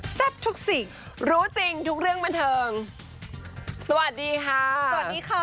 ทุกสิ่งรู้จริงทุกเรื่องบันเทิงสวัสดีค่ะสวัสดีค่ะ